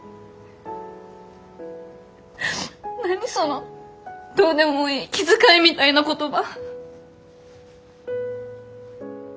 何そのどうでもいい気遣いみたいな言葉。